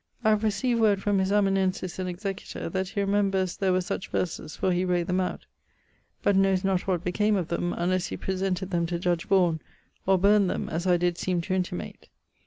I have received word from his amanuensis and executor that he 'remembers there were such verses for he wrote them out, but knowes not what became of them, unlesse he presented them to Judge Vaughan, or burned them as I did seeme to intimate.'